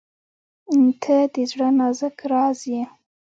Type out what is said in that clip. • ته د زړه نازک راز یې.